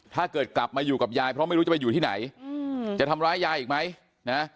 ถ้าเกิดกลับมาอยู่กับยายเพราะไม่รู้จะไปอยู่ที่ไหนจะทำร้ายยายอีกไหมนะ